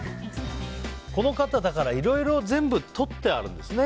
この方、いろいろ全部取ってあるんですね。